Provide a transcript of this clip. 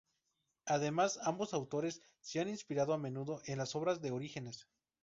Además, ambos autores se han inspirado a menudo en las obras de Orígenes.